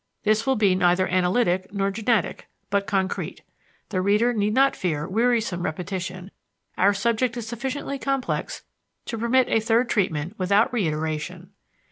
This will be neither analytic nor genetic but concrete. The reader need not fear wearisome repetition; our subject is sufficiently complex to permit a third treatment without reiteration.